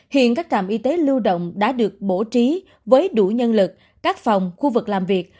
hiện các trạm y tế lưu động đã được bổ trí với đủ nhân lực các phòng khu vực làm việc